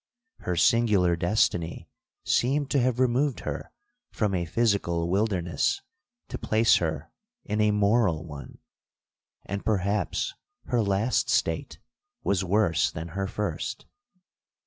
Her singular destiny seemed to have removed her from a physical wilderness, to place her in a moral one. And, perhaps, her last state was worse than her first.